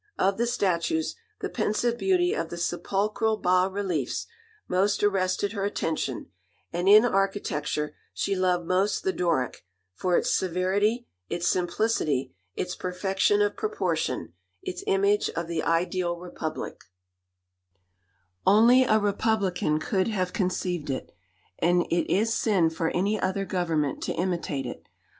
Of the statues, the pensive beauty of the sepulchral bas reliefs most arrested her attention; and in architecture, she loved most the Doric, for its severity, its simplicity, its perfection of proportion, its image of the ideal republic: Only a republican could have conceived it, and it is sin for any other government to imitate it.